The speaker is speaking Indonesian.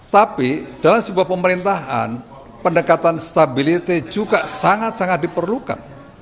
tapi dalam sebuah pemerintahan pendekatan stability juga sangat sangat diperlukan